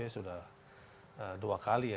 sudah dua kali ya